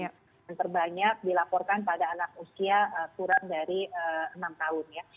yang terbanyak dilaporkan pada anak usia kurang dari enam tahun ya